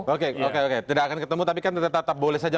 oke oke oke tidak akan ketemu tapi kan tetap boleh saja